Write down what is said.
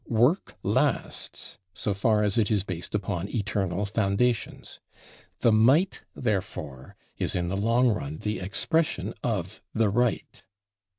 Work lasts so far as it is based upon eternal foundations. The might, therefore, is in the long run the expression of the right.